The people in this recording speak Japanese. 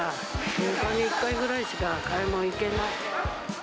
１０日に１回ぐらいしか買い物行けない。